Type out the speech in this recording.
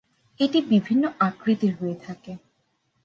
এটি বিভিন্ন আকৃতির হয়ে থাকে।